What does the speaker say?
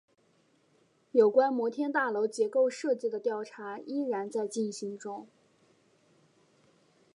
有关摩天大楼结构设计的调查依然在进行中。